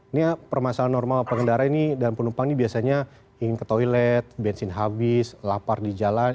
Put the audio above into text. ini permasalahan normal pengendara ini dan penumpang ini biasanya ingin ke toilet bensin habis lapar di jalan